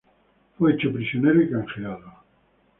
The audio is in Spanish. Fue hecho prisionero y canjeado.